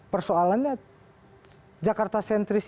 persoalannya jakarta sentris